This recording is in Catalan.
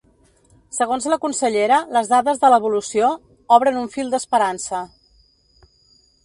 Segons la consellera, les dades de l’evolució ‘obren un fil d’esperança’.